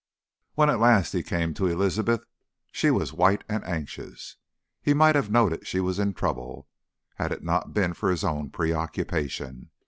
When at last he came to Elizabeth, she was white and anxious. He might have noted she was in trouble, had it not been for his own preoccupation.